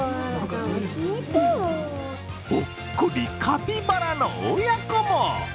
ほっこり、カピバラの親子も。